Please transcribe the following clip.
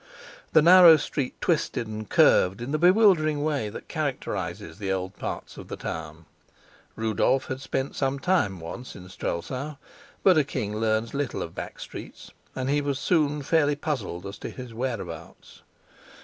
The narrow street twisted and curved in the bewildering way that characterizes the old parts of the town. Rudolf had spent some time once in Strelsau; but a king learns little of back streets, and he was soon fairly puzzled as to his whereabouts.